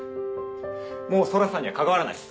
もう空さんには関わらないっす。